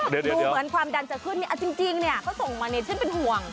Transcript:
ดูเหมือนความดันจะขึ้นเอาจริงอ้าวเขาส่งมาฉันเป็นห่วง